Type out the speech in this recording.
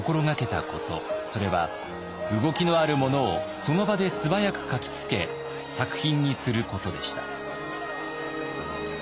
それは動きのあるものをその場で素早く描きつけ作品にすることでした。